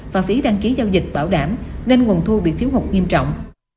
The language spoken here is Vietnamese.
và phí đăng ký giao dịch bảo đảm nên nguồn thu bị thiếu hụt nghiêm trọng